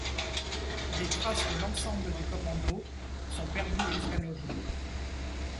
Les traces de l'ensemble du commando sont perdues jusqu'à nos jours.